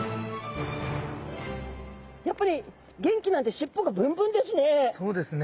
やっぱり元気なんでしっぽがブンブンですね。